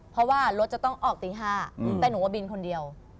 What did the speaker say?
เพราะว่ารถจะต้องออกตี๕แต่หนูว่าบินคนเดียว